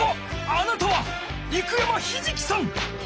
あなたは生山ヒジキさん！